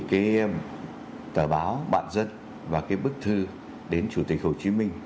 cái tờ báo bạn dân và cái bức thư đến chủ tịch hồ chí minh